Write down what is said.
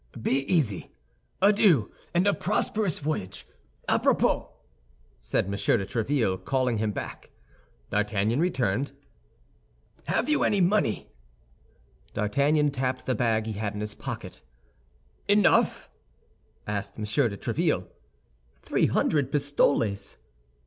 "Be easy. Adieu, and a prosperous voyage. A propos," said M. de Tréville, calling him back. D'Artagnan returned. "Have you any money?" D'Artagnan tapped the bag he had in his pocket. "Enough?" asked M. de Tréville. "Three hundred pistoles."